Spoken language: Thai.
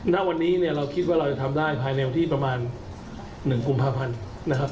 ณวันนี้เนี่ยเราคิดว่าเราจะทำได้ภายในวันที่ประมาณ๑กุมภาพันธ์นะครับ